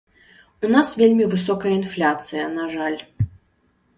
У нас вельмі высокая інфляцыя, на жаль.